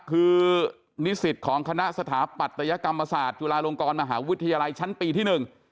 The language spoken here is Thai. คือนิสิตของคณะสถาปัตยกรรมศาสตร์จุฬาลงกรมหาวิทยาลัยชั้นปีที่หนึ่ง